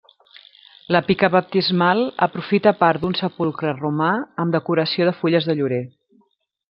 La pica baptismal aprofita part d'un sepulcre romà, amb decoració de fulles de llorer.